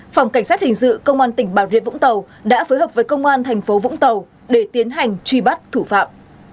phòng cảnh sát hình sự công an tỉnh bà rịa vũng tàu đã phối hợp với công an thành phố vũng tàu để tiến hành truy bắt thủ phạm